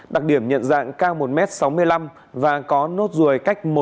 đặc điểm nhận dạng cao một m sáu mươi năm và có nốt ruồi cách một mươi năm km